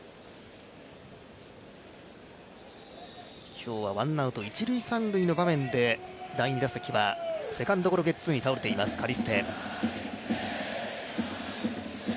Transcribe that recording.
今日はワンアウト一・三塁の場面でセカンドゴロゲッツーに倒れています、カリステ。